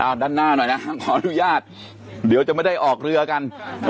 เอาด้านหน้าหน่อยนะขออนุญาตเดี๋ยวจะไม่ได้ออกเรือกัน